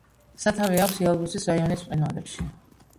სათავე აქვს იალბუზის რაიონის მყინვარებში.